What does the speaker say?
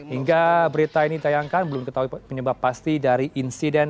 hingga berita ini ditayangkan belum ketahui penyebab pasti dari insiden